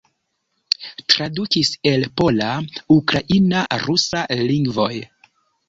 Tradukis el pola, ukraina, rusa lingvoj.